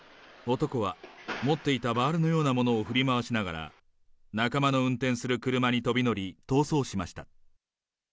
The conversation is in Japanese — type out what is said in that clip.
男は持っていたバールのようなものを振り回しながら、仲間の運転する車に飛び乗り、逃走しました。